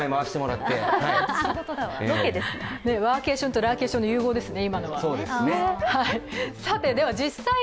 ワーケーションとラーケーションの融合ですね。